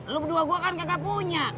lu berdua gue kan gak punya